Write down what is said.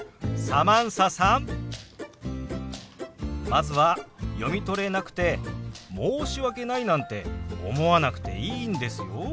まずは読み取れなくて申し訳ないなんて思わなくていいんですよ。